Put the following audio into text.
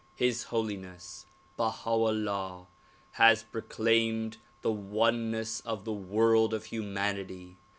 His Holiness Bah.v 'Ullah has proclaimed the oneness of the world of humanity.